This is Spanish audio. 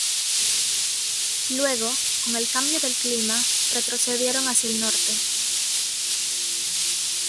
Luego, con el cambio de clima retrocedieron hacia el norte.